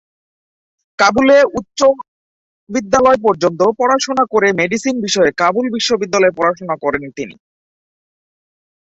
কাবুলে উচ্চবিদ্যালয় পর্যন্ত পড়াশোনা করে মেডিসিন বিষয়ে কাবুল বিশ্ববিদ্যালয়ে পড়াশোনা করেন তিনি।